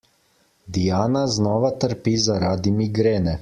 Diana znova trpi zaradi migrene.